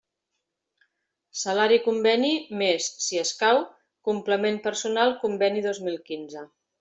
Salari Conveni més, si escau, Complement personal Conveni dos mil quinze.